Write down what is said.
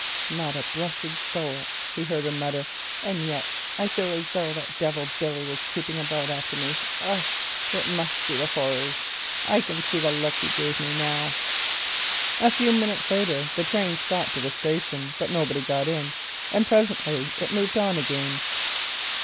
"Not a blessed soul," he heard her mutter, "and yet I feel as though that devil Billy was creeping about after me. Ugh! it must be the horrors. I can see the look he gave me now." A few minutes later the train stopped at a station, but nobody got in, and presently it moved on again.